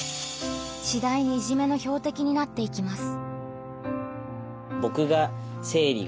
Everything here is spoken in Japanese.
次第にいじめの標的になっていきます。